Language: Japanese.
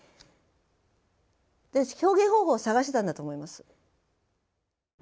表現方法を探してたんだと思います。